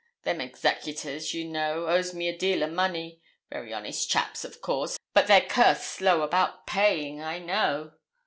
Them executors, you know, owes me a deal o' money. Very honest chaps, of course; but they're cursed slow about paying, I know.'